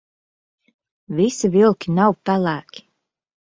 Visi vilki nav pelēki.